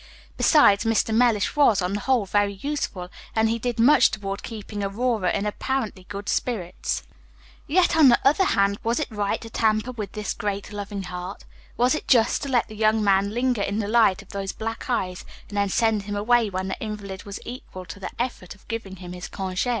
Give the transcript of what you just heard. Besides, Mr. Mellish was, on the whole, very useful, and he did much toward keeping Aurora in apparently good spirits. Yet, on the other hand, was it right to tamper with this great loving heart? Was it just to let the young man linger in the light of those black eyes, and then send him away when the invalid was equal to the effort of giving him his congé?